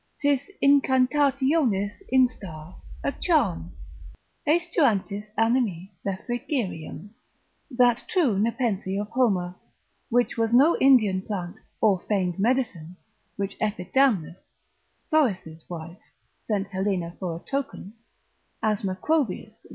'Tis incantationis instar, a charm, aestuantis animi refrigerium, that true Nepenthe of Homer, which was no Indian plant, or feigned medicine, which Epidamna, Thonis' wife, sent Helena for a token, as Macrobius, 7.